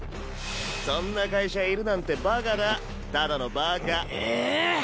そんな会社いるなんてバカただのバカうう！